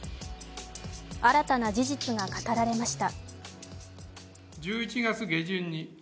新たな事実が語られました。